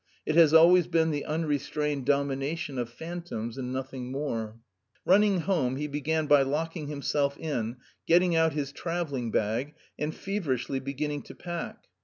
It has always been the unrestrained domination of phantoms and nothing more. Running home, he began by locking himself in, getting out his travelling bag, and feverishly beginning to pack.